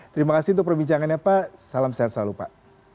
terima kasih untuk perbincangannya pak salam sehat selalu pak